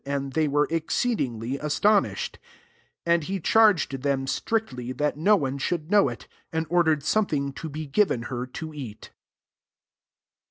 And they were ex ceedingly astonished. 43 And he charged them, strictly, that no one should know it; and ordered something to be given her to eat.